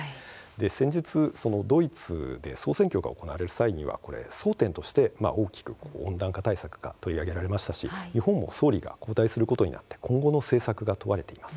先日ドイツで総選挙が行われる際には争点として温暖化対策が取り上げられましたし日本も総理が交代することになって今後の政策が問われています。